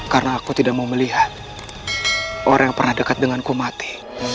karena aku tidak mau melihat orang yang pernah dekat denganku mati